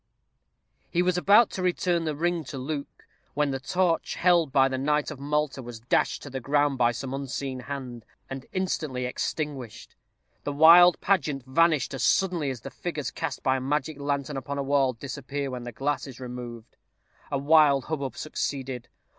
_" He was about to return the ring to Luke, when the torch, held by the knight of Malta, was dashed to the ground by some unseen hand, and instantly extinguished. The wild pageant vanished as suddenly as the figures cast by a magic lantern upon a wall disappear when the glass is removed. A wild hubbub succeeded.